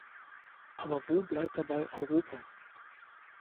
Aber wo bleibt dabei Europa?